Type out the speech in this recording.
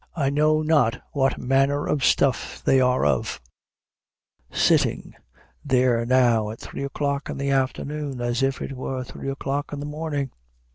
I know not what manner of stuff they are of, sitting there now at three o'clock in the afternoon, as if it were three o'clock in the morning.